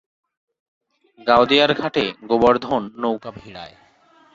গাওদিয়ার ঘাটে গোবর্ধন নৌকা ভিড়ায়।